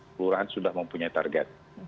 kelurahan sudah mempunyai target